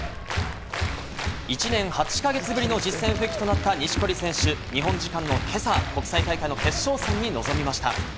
１年８か月ぶりの実戦復帰となった錦織選手、日本時間の今朝、国際大会の決勝戦に臨みました。